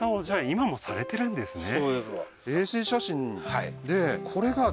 今もされてるんですね